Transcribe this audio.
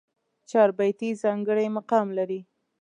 چاربېتې ځانګړی مقام لري.